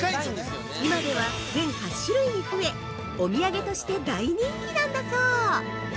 今では全８種類に増えお土産として大人気なんだそう。